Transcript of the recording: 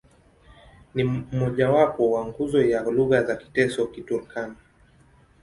Ni mmojawapo wa nguzo ya lugha za Kiteso-Kiturkana.